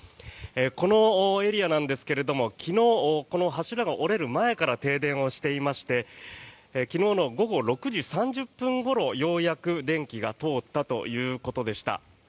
このエリアなんですが昨日、この柱が折れる前から停電をしていまして昨日の午後６時３０分ごろようやく電気が通ったということでした。